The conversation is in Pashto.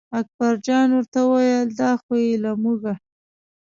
اکبرجان ورته وویل دا خو بې له مونږه.